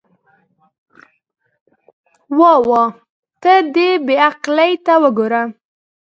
واه واه، ته دې بې عقلۍ ته وګوره.